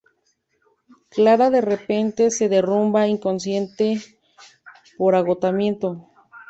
Clara de repente se derrumba inconsciente por agotamiento.